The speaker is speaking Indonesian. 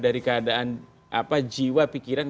dari keadaan jiwa pikiran